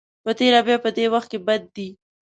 په تېره بیا په دې وخت کې بد دی.